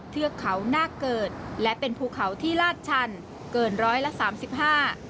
เทือกเขาหน้าเกิดและเป็นภูเขาที่ลาดชันเกินร้อยละสามสิบห้า